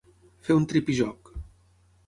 Fer un tripijoc.